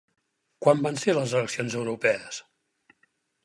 Quan van ser les eleccions europees?